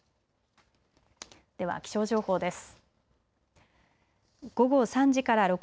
では気象情報です。